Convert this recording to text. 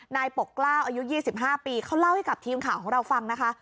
นายปกล้าอายุยี่สิบห้าปีเขาเล่าให้กับทีมข่าวของเราฟังนะคะ